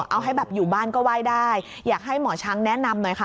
เอาให้แบบอยู่บ้านก็ไหว้ได้อยากให้หมอช้างแนะนำหน่อยค่ะ